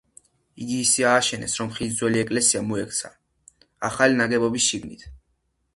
იგი ისე ააშენეს, რომ ხის ძველი ეკლესია მოექცა ახალი ნაგებობის შიგნით.